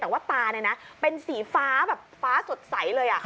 แต่ว่าตาเป็นสีฟ้าแบบฟ้าสดใสเลย